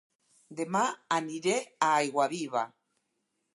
Dema aniré a Aiguaviva